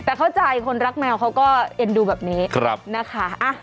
แต่เข้าใจคนรักแมวเขาก็เอ็นดูแบบนี้นะคะ